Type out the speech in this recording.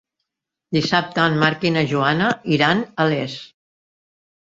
Dissabte en Marc i na Joana iran a Les.